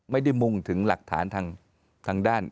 ไม่ได้มุ่งถึงหลักฐานทางแดน